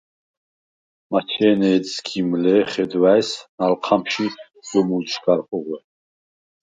მაჩე̄ნე ეჯ სგიმ ლ’ე̄, ხედვა̄̈ის ნალჴა̈მში ზუმულდშვ გარ ხუღვე.